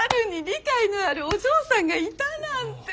理解のあるお嬢さんがいたなんて。